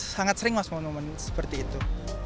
sangat sering mas momen momen seperti itu